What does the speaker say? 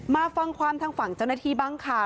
มาฟังความทางฝั่งเจ้าหน้าที่บ้างค่ะ